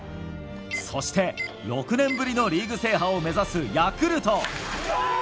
そして６年ぶりのリーグ制覇を目指すヤクルト。